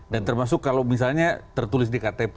dan termasuk kalau misalnya tertulis di ktp